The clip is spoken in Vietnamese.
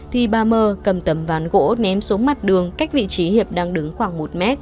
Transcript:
thì bà mờ cầm tấm ván gỗ ném xuống mặt đường cách vị trí hiệp đang đứng khoảng một m